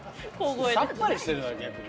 さっぱりしてるだろ逆に。